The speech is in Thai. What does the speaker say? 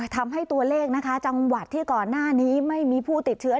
ทำให้ตัวเลขนะคะจังหวัดที่ก่อนหน้านี้ไม่มีผู้ติดเชื้อ